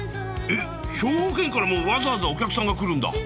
えっ兵庫県からもわざわざお客さんが来るんだ。